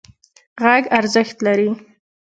غږ ارزښت لري.